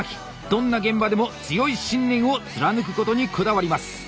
どんな現場でも強い信念を貫くことにこだわります。